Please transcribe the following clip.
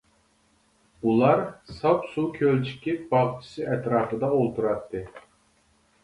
— ئۇلار ساپ سۇ كۆلچىكى باغچىسى ئەتراپىدا ئولتۇراتتى.